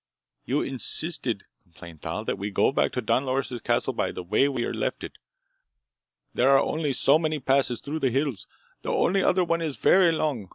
"You insisted," complained Thal, "that we not go back to Don Loris' castle by the way we left it. There are only so many passes through the hills. The only other one is very long.